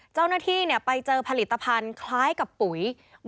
เจ้าหน้าที่เนี่ยไปเจอผลิตภัณฑ์คล้ายกลับถูกกัทำ